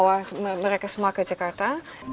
bawa mereka semua ke jakarta